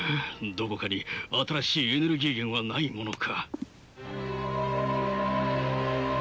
どこかに新しいエネルギー源はないものか。